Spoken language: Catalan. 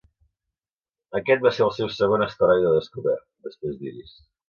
Aquest va ser el seu segon asteroide descobert, després d'Iris.